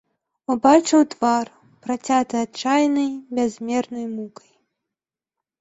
Убачыў твар, працяты адчайнай, бязмернай мукай.